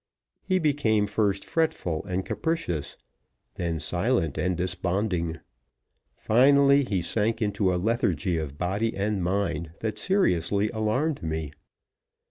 He became first fretful and capricious, then silent and desponding. Finally, he sank into a lethargy of body and mind that seriously alarmed me.